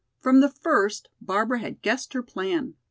From the first Barbara had guessed her plan.